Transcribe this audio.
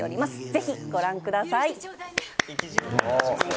ぜひ、ご覧ください。